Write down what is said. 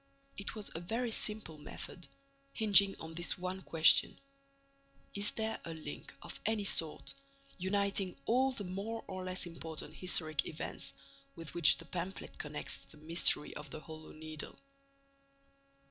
It was a very simple method, hinging on this one question: Is there a link of any sort uniting all the more or less important historic events with which the pamphlet connects the mystery of the Hollow Needle?